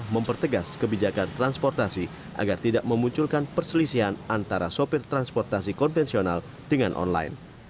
mempertegas kebijakan transportasi agar tidak memunculkan perselisihan antara sopir transportasi konvensional dengan online